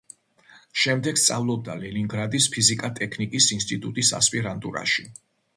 შემდეგ სწავლობდა ლენინგრადის ფიზიკა-ტექნიკის ინსტიტუტის ასპირანტურაში.